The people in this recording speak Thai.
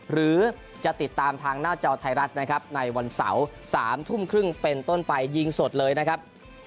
หรือจะติดตามทางหน้าจอไทยรัฐนะครับในวันเสาร์๓ทุ่มครึ่งเป็นต้นไปยิงสดเลยนะครับ